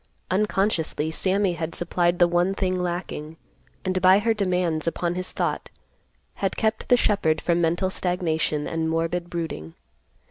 Unconsciously Sammy had supplied the one thing lacking, and by her demands upon his thought had kept the shepherd from mental stagnation and morbid brooding.